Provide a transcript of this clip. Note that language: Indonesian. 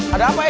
ada apa eh